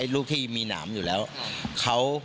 ลูกที่มีหนามอยู่แล้ว